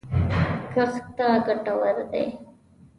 کښت ته ګټور دی